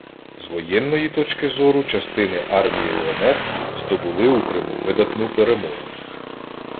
З воєнної точки зору частини армії УНР здобули у Криму видатну перемогу.